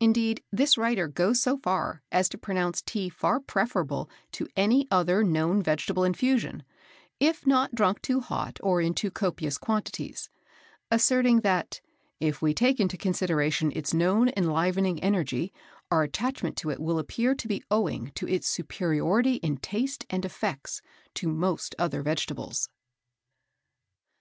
Indeed, this writer goes so far as to pronounce Tea far preferable to any other known vegetable infusion, if not drank too hot or in too copious quantities, asserting that "if we take into consideration its known enlivening energy, our attachment to it will appear to be owing to its superiority in taste and effects to most other vegetables."